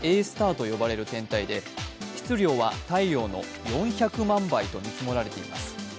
＊と呼ばれる天体で質量は大量の４００万倍と見積もられています。